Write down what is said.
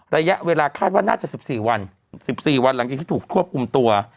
ระยะเวลาคาดว่าน่าจะ๑๔วัน๑๔วันหลังจากที่ถูกควบคุมตัว